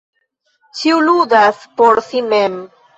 Ĉiu ludas por si mem.